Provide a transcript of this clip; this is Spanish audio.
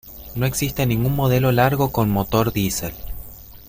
No existe ningún modelo largo con motor diesel.